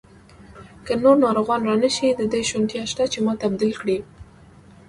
که نور ناروغان را نه شي، د دې شونتیا شته چې ما تبدیل کړي.